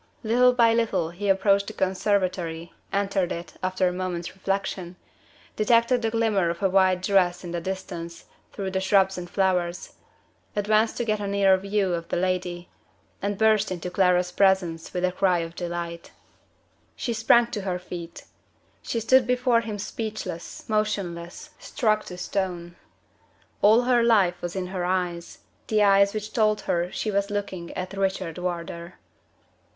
Little by little he approached the conservatory entered it, after a moment's reflection detected the glimmer of a white dress in the distance, through the shrubs and flowers advanced to get a nearer view of the lady and burst into Clara's presence with a cry of delight. She sprang to her feet. She stood before him speechless, motionless, struck to stone. All her life was in her eyes the eyes which told her she was looking at Richard Wardour.